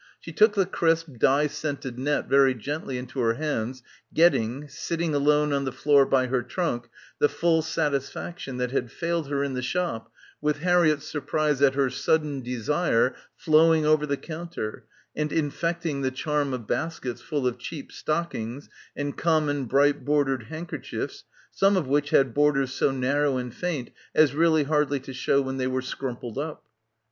She took the crisp dye scented net very gently into her hands, getting, sitting alone on the floor by her trunk, the full satisfaction that had failed her in the shop with Harriett's surprise at her sudden desire flowing over the counter and in fecting the charm of baskets full of cheap stock ings and common bright bordered handkerchiefs some of which had borders so narrow and faint as really hardly to show when they were scrumpled up.